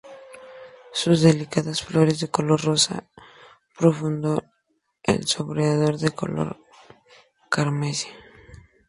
Sus delicadas flores de color rosa profundo, el sombreado de color carmesí.